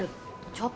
ちょっ